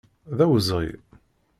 D awezɣi.